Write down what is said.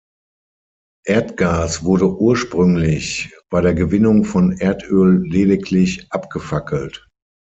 Erdgas wurde ursprünglich bei der Gewinnung von Erdöl lediglich abgefackelt.